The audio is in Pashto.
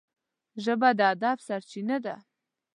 ژبه د ادب سرچینه ده